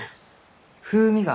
風味が！